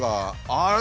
「あれ？